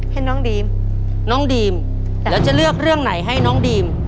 ให้น้องดีมน้องดีมแล้วจะเลือกเรื่องไหนให้น้องดีม